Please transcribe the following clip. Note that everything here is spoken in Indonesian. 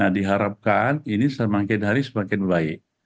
diharapkan ini semakin hari semakin baik